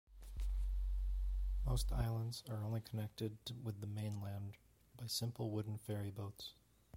Most islands are only connected with the mainland by simple wooden ferryboats.